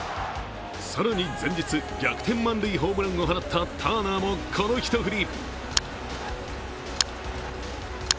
更に前日逆転満塁ホームランを放ったターナーもこの１振り。